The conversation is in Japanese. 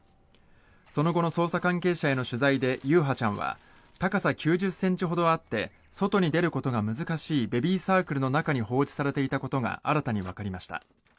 その後の捜査関係者への取材で優陽ちゃんは高さ９０ｃｍほどあって外に出ることが難しいベビーサークルの中に放置されていたことが新たにわかりました。